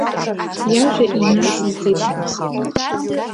Иажәа инациҵеит баб.